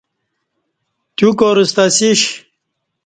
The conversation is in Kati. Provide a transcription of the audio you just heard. تیو کارستہ اسیش